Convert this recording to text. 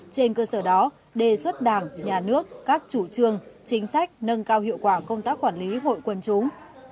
trên cơ sở đó đề xuất đảng nhà nước các chủ trương chính sách nâng cao hiệu quả công tác quản lý hội quân chúng